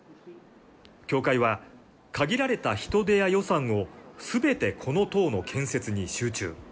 教会は、限られた人手や予算をすべてこの塔の建設に集中。